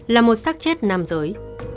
là một sắc chết nam giới